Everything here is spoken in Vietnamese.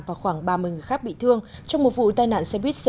và khoảng ba mươi người khác bị thương trong một vụ tai nạn xe buýt